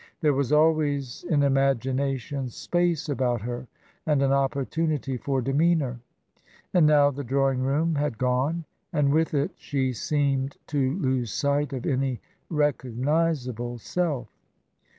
There was always, in imagination, space about her and an opportunity for demeanour. And now the drawing room had gone, and with it she seemed to lose sight of any recognisable self.